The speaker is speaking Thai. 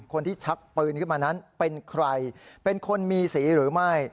ชักปืนขึ้นมานั้นเป็นใครเป็นคนมีสีหรือไม่